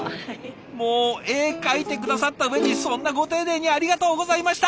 もう絵描いて下さった上にそんなご丁寧にありがとうございました！